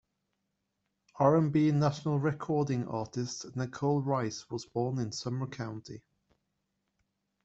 R and B National Recording Artist Nacole Rice was born in Sumner County.